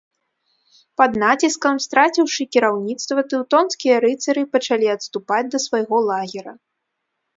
Пад націскам, страціўшы кіраўніцтва, тэўтонскія рыцары пачалі адступаць да свайго лагера.